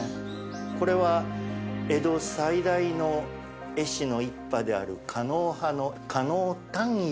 これは江戸最大の絵師の一派である狩野派の。